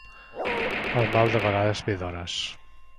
El mal de vegades ve d'hores.